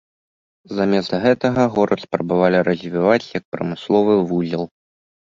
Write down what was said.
Замест гэтага, горад спрабавалі развіваць як прамысловы вузел.